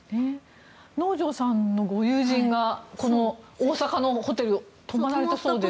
能條さんのご友人がこの大阪のホテルに泊まられたそうですね。